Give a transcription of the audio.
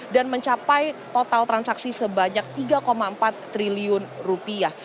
dan mencapai total transaksi sebanyak tiga delapan triliun rupiah